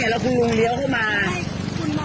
หรือคุณลูงก็ไม่รู้อ่ะ